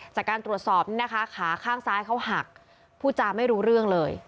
จากการตรวจสอบนี่นะคะขาข้างซ้ายเขาหักผู้จาไม่รู้เรื่องเลย